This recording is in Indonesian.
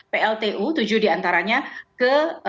pltu tujuh diantaranya ke